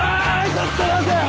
ちょっと待てお前。